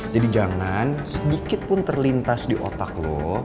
jadi jangan sedikit pun terlintas di otak lo